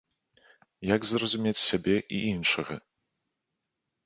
Як зразумець сябе і іншага?